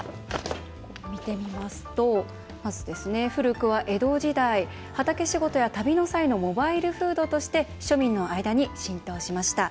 見てみますと、まず古くは江戸時代、畑仕事や旅の際のモバイルフードとして庶民の間に浸透しました。